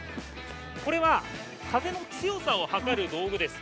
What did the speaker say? これは風の強さを測る道具です。